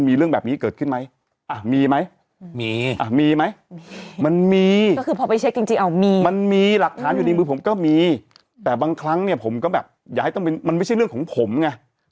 มีอ่ะมีไหมมีมันมีก็คือพอไปเช็คจริงเอ้ามีมันมีหลักฐานอยู่ในมือผมก็มีแต่บางครั้งเนี้ยผมก็แบบอย่าให้ต้องเป็นมันไม่ใช่เรื่องของผมไง